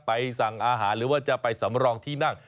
สั่งอาหารหรือว่าจะไปสำรองที่นั่ง